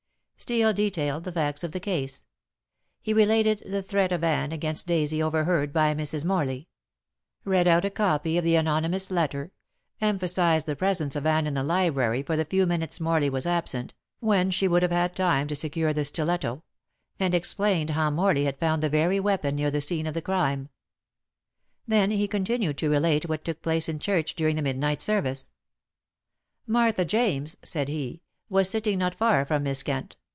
Steel detailed the facts of the case. He related the threat of Anne against Daisy overheard by Mrs. Morley; read out a copy of the anonymous letter; emphasized the presence of Anne in the library for the few minutes Morley was absent, when she would have had time to secure the stiletto; and explained how Morley had found the very weapon near the scene of the crime. Then he continued to relate what took place in church during the midnight service. "Martha James," said he, "was sitting not far from Miss Kent.